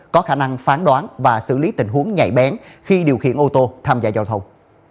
có khả năng phán đoán và xử lý tình huống nhạy bén khi điều khiển ô tô tham gia giao thông